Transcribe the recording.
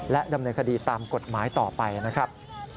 ดำเนินคดีตามกฎหมายต่อไปนะครับ